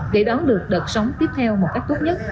để đón được đợt sống tiếp theo một cách tốt nhất